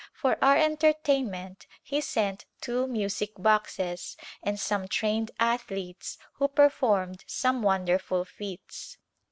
For our entertainment he sent two music boxes, and some trained athletes who performed some wonderful feats.